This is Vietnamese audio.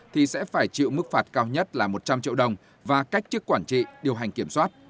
thì sẽ phải chịu mức phạt cao nhất là một trăm linh triệu đồng và cách chức quản trị điều hành kiểm soát